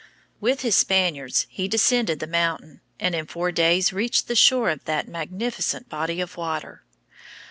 ] With his Spaniards he descended the mountain, and in four days reached the shore of that magnificent body of water.